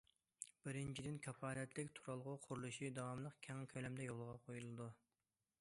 بىرىنچىدىن، كاپالەتلىك تۇرالغۇ قۇرۇلۇشى داۋاملىق كەڭ كۆلەمدە يولغا قويۇلىدۇ.